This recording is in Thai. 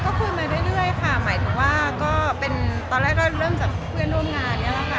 ก็คือย้ายค่ะไม่ว่าก็เป็นตอนแรกก็เริ่มต้องน้องมันแล้ว